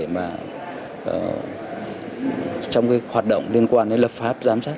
mà trong cái hoạt động liên quan đến lập pháp giám sát